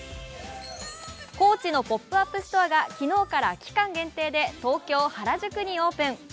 コーチのポップアップストアが昨日から期間限定で東京・原宿にオープン。